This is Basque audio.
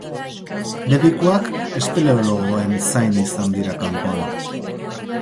Medikuak espeleologoen zain izan dira kanpoan.